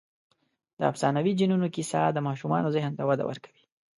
د افسانوي جنونو کیسه د ماشومانو ذهن ته وده ورکوي.